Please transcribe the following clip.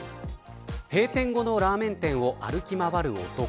閉店後のラーメン店を歩き回る男。